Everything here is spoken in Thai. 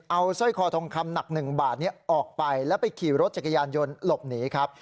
เอาสร้อยคอทองคำหนัก๑บาทออกไปแล้วไปขี่รถจักรยานยนต์หลบหนีครับ